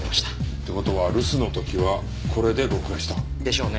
って事は留守の時はこれで録画した。でしょうね。